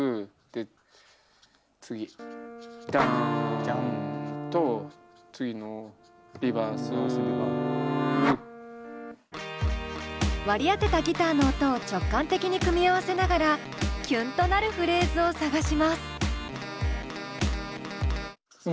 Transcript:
で次ダン。と次のリバース！割り当てたギターの音を直感的に組み合わせながらキュンとなるフレーズを探します。